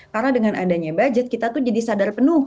karena dengan adanya budget kita tuh jadi sadar penuh